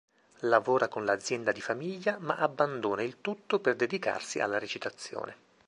Lavora con l'azienda di famiglia, ma abbandona il tutto per dedicarsi alla recitazione.